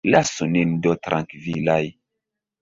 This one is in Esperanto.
Lasu nin do trankvilaj.